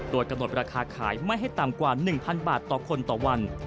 โดยกำหนดราคาขายไม่ให้ต่ำกว่า๑๐๐บาทต่อคนต่อวัน